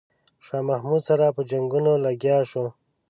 شاه محمود سره په جنګونو لګیا شو.